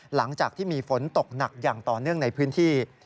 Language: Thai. หลังจากที่มีฝนตกหนักอย่างต่อเนื่องในพื้นที่